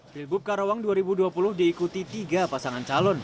pilgub karawang dua ribu dua puluh diikuti tiga pasangan calon